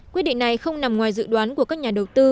quyết định này không nằm ngoài dự đoán của các nhà đầu tư